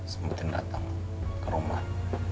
sempetin dateng ke rumah